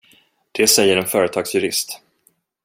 Det säger en företagsjurist.